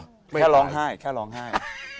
สงสัยแค่ร่องไห้แค่ร่องไห้